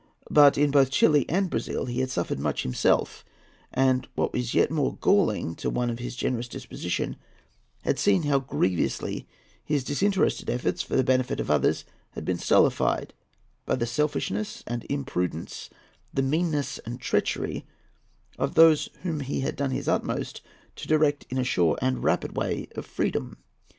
But both in Chili and in Brazil he had suffered much himself, and, what was yet more galling to one of his generous disposition, had seen how grievously his disinterested efforts for the benefit of others had been stultified, by the selfishness and imprudence, the meanness and treachery of those whom he had done his utmost to direct in a sure and rapid way of freedom.